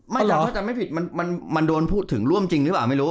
เราเข้าใจไม่ผิดมันโดนพูดถึงร่วมจริงหรือเปล่าไม่รู้